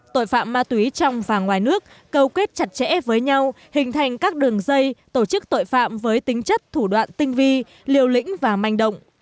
tội phạm ma túy trong và ngoài nước cầu kết chặt chẽ với nhau hình thành các đường dây tổ chức tội phạm với tính chất thủ đoạn tinh vi liều lĩnh và manh động